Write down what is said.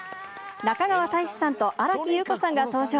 中川大志さんと新木優子さんが登場。